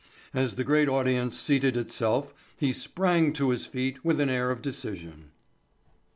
As the great audience seated itself he sprang to his feet with an air of decision.